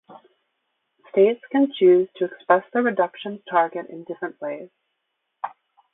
States can choose to express their reductions target in different ways.